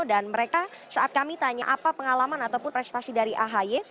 dan mereka saat kami tanya apa pengalaman ataupun prestasi dari ahi